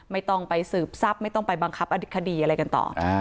ไม่ต้องไปสืบทรัพย์ไม่ต้องไปบังคับคดีอะไรกันต่อ